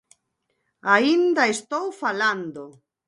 ¡Aínda estou falando!